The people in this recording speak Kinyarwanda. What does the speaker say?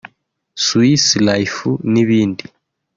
swiss life n’ibindi